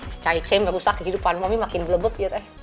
si cahy cahy gak usah kehidupan mami makin belebep gitu ya teh